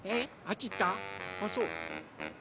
あそう。